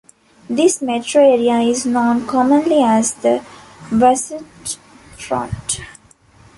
This metro area is known commonly as the Wasatch Front.